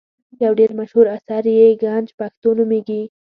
یو ډېر مشهور اثر یې ګنج پښتو نومیږي.